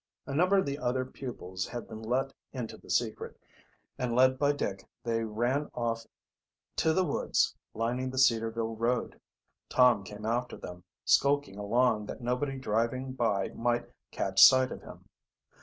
A number of the other pupils had been let into the secret, and, led by Dick, they ran off to the woods lining the Cedarville road. Tom came after them, skulking along that nobody driving by might catch sight of him.